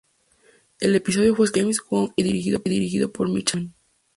El episodio fue escrito por James Wong y dirigido por Michael Lehmann.